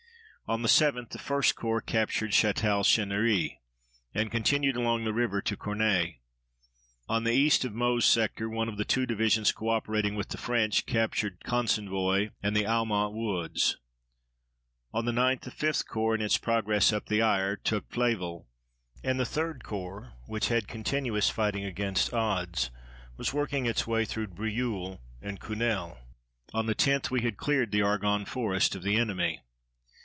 On the 7th the 1st Corps captured Chatal Chênéry and continued along the river to Cornay. On the east of Meuse sector one of the two divisions, co operating with the French, captured Consenvoye and the Haumont Woods. On the 9th the 5th Corps, in its progress up the Aire, took Flêville, and the 3d Corps, which had continuous fighting against odds, was working its way through Brieulles and Cunel. On the 10th we had cleared the Argonne Forest of the enemy.